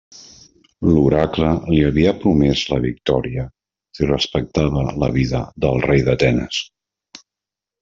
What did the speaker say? L'oracle li havia promès la victòria si respectava la vida del rei d'Atenes.